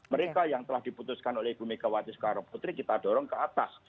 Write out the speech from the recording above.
mereka yang telah diputuskan oleh ibu megawati soekarno putri kita dorong ke atas